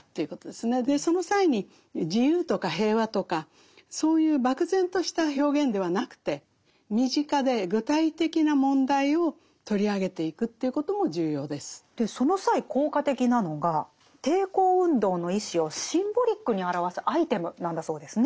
その際に自由とか平和とかそういう漠然とした表現ではなくてその際効果的なのが抵抗運動の意志をシンボリックに表すアイテムなんだそうですね。